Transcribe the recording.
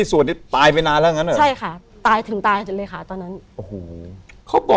สวดทุกวันค่ะ